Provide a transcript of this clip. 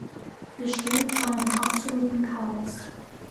Wir stehen vor einem absoluten Chaos.